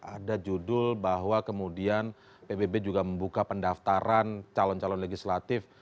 ada judul bahwa kemudian pbb juga membuka pendaftaran calon calon legislatif